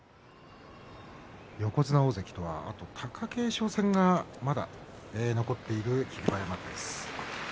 横綱大関とはまだ貴景勝戦が残っている霧馬山です。